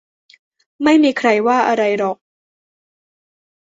ไม่มีใครว่าอะไรหรอก